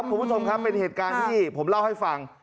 คุณผู้ชมครับเป็นเหตุการณ์ที่ผมเล่าให้ฟัง